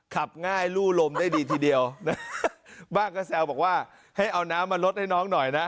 ขับง่ายลู่ลมได้ดีทีเดียวนะบ้างก็แซวบอกว่าให้เอาน้ำมาลดให้น้องหน่อยนะ